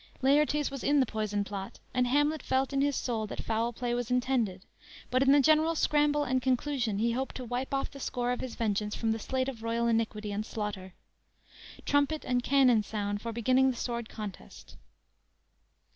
Laertes was in the poison plot, and Hamlet felt in his soul that foul play was intended, but in the general scramble and conclusion he hoped to wipe off the score of his vengeance from the slate of royal iniquity and slaughter. Trumpet and cannon sound for beginning the sword contest.